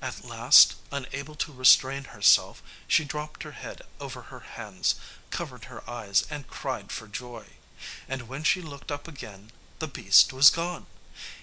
At last, unable to restrain herself, she dropped her head over her hands, covered her eyes, and cried for joy; and, when she looked up again, the beast was gone.